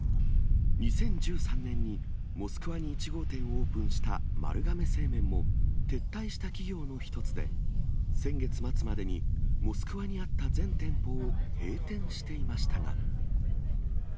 ２０１３年にモスクワに１号店をオープンした丸亀製麺も、撤退した企業の一つで、先月末までにモスクワにあった全店舗を閉店していましたが。